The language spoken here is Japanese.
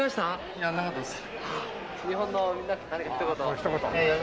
「いやなかったです」